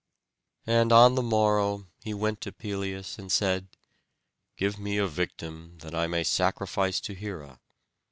And on the morrow he went to Pelias, and said, "Give me a victim, that I may sacrifice to Hera."